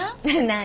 何？